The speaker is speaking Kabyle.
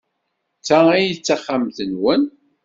D ta ay d taxxamt-nwen?